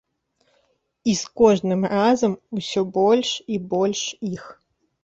І з кожным разам усё больш і больш іх.